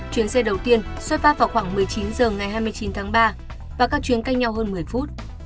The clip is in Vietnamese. chuyến xe đầu tiên xuất phát vào khoảng một mươi chín h ngày hai mươi chín tháng ba và các chuyến cách nhau hơn một mươi phút